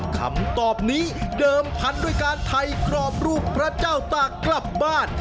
คำตอบนี้เดิมพันธุ์ด้วยการถ่ายกรอบรูปพระเจ้าตากกลับบ้าน